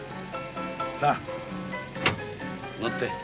さあ乗って。